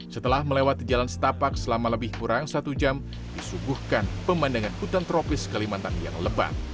setelah melewati jalan setapak selama lebih kurang satu jam disuguhkan pemandangan hutan tropis kalimantan yang lebat